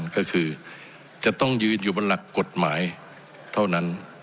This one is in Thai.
ก็คือจะต้องยืนอยู่บนหลักกฎหมายเท่านั้น